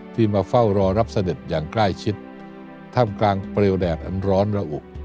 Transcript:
ที่มาเฝ้ารอรับเสด็จอย่างใกล้ชิดท่ามกลางเปลวแดดอันร้อนระอุ